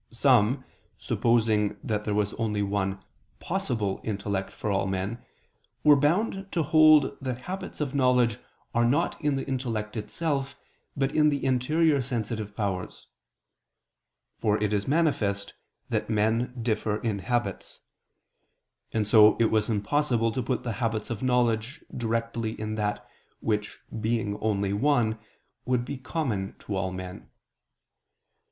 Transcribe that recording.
Some, supposing that there was only one possible [*See First Part, Q. 79, A. 2, ad 2] intellect for all men, were bound to hold that habits of knowledge are not in the intellect itself, but in the interior sensitive powers. For it is manifest that men differ in habits; and so it was impossible to put the habits of knowledge directly in that, which, being only one, would be common to all men.